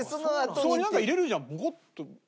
そこになんか入れるじゃんボコッて。